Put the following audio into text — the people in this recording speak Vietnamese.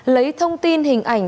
lấy thông tin hình ảnh